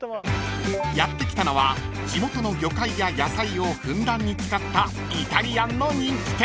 ［やって来たのは地元の魚介や野菜をふんだんに使ったイタリアンの人気店］